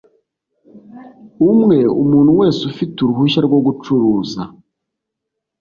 umwe umuntu wese ufite uruhushya rwo gucuruza